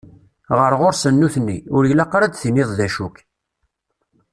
Ɣer ɣur-sen nutni, ur ilaq ara ad d-tiniḍ d acu-k.